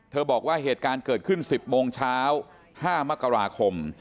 บอกว่าเหตุการณ์เกิดขึ้น๑๐โมงเช้า๕มกราคม